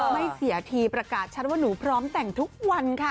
ไม่เสียทีประกาศชัดว่าหนูพร้อมแต่งทุกวันค่ะ